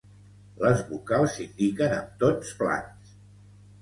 Les vocals s'indiquen amb tons plans.